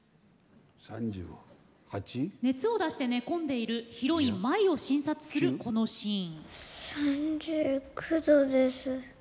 熱を出して寝込んでいるヒロイン舞を診察する、このシーン。